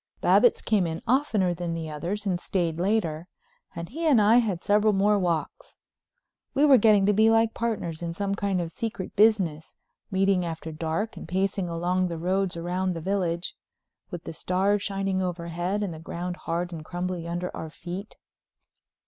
Babbitts came oftener than the others and stayed later, and he and I had several more walks. We were getting to be like partners in some kind of secret business, meeting after dark, and pacing along the roads round the village, with the stars shining overhead and the ground hard and crumbly under our feet.